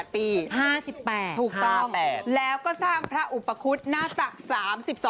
๕๘ถูกต้องแล้วก็สร้างพระอุปคุฎหน้าตัก๓๒